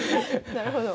なるほど。